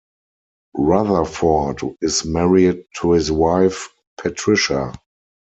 Rutherford is married to his wife, Patricia.